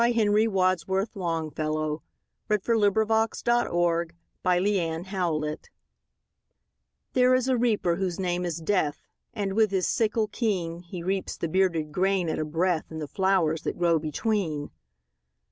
Henry Wadsworth Longfellow The Reaper And The Flowers THERE is a Reaper whose name is Death, And, with his sickle keen, He reaps the bearded grain at a breath, And the flowers that grow between.